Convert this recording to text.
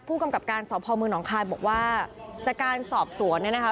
ผู้กำกลับการสภ์พอมืองนองคลายบอกว่าจัดการสอบสวนนี่นะคะ